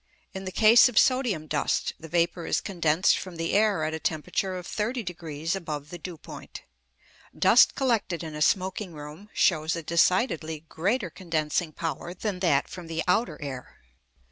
In the case of sodium dust, the vapour is condensed from the air at a temperature of 30° above the dew point. Dust collected in a smoking room shows a decidedly greater condensing power than that from the outer air.